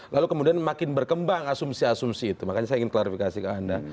lalu kemudian makin berkembang asumsi asumsi itu makanya saya ingin klarifikasi ke anda